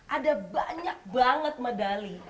ada banyak banget medali